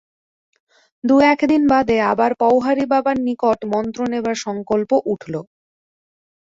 দু-এক দিন বাদে আবার পওহারী বাবার নিকট মন্ত্র নেবার সঙ্কল্প উঠল।